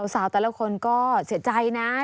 แต่ละคนก็เสียใจนะ